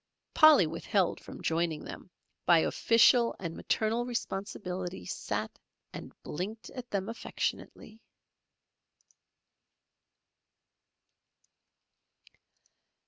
Polly withheld from joining them, by official and maternal responsibility sat and blinked at them affectionately.